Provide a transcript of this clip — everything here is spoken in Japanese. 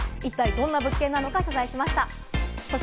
どんな物件なのか取材しました。